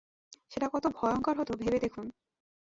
সেটা কত ভয়ংকর হত ভেবে দেখুন।